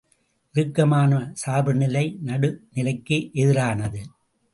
இறுக்கமான சார்பு நிலை நடுவு நிலைக்கு எதிரானது.